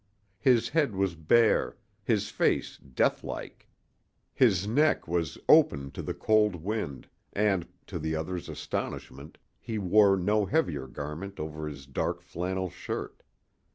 His head was bare, his face deathlike. His neck was open to the cold wind, and, to the others' astonishment, he wore no heavier garment over his dark flannel shirt.